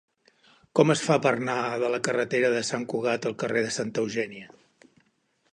Com es fa per anar de la carretera de Sant Cugat al carrer de Santa Eugènia?